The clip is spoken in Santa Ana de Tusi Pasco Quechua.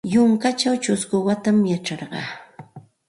Yunkaćhaw ćhusku watam yacharqa.